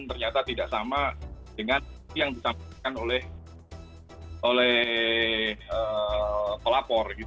ternyata tidak sama dengan yang disampaikan oleh pelapor